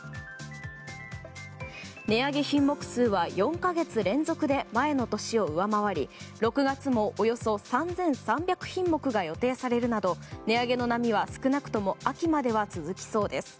値上げ品目数は４か月連続で前の年を上回り６月も、およそ３３００品目が予定されるなど値上げの波は少なくとも秋までは続きそうです。